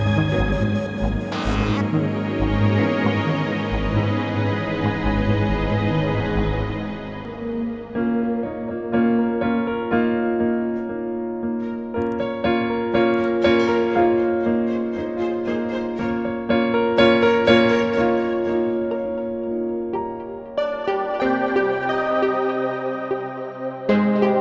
lin academy rken pake